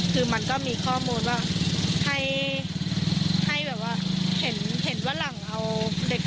คือมันก็มีข้อมูลว่าให้ให้แบบว่าเห็นว่าหลังเอาเด็ก